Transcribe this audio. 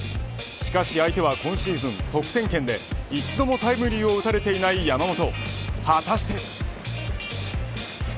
しかし相手は今シーズン得点圏で一度もタイムリーを打たれていない山本果たして。